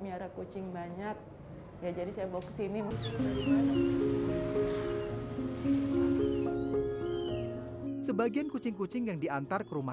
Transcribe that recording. biar kucing banyak ya jadi saya bawa ke sini sebagian kucing kucing yang diantar ke rumah